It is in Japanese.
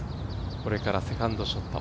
これからセカンドショット。